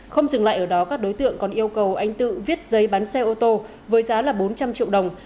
không dừng lại ở đó các đối tượng còn yêu cầu anh tự viết giấy bán xe ô tô với giá là bốn trăm linh triệu đồng